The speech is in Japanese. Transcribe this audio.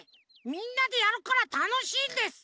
みんなでやるからたのしいんです！